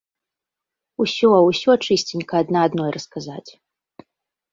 Усё, усё чысценька адна адной расказаць.